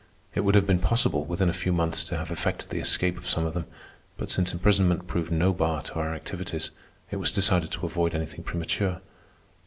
It would have been possible, within a few months, to have effected the escape of some of them; but since imprisonment proved no bar to our activities, it was decided to avoid anything premature.